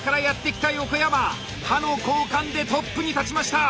刃の交換でトップに立ちました！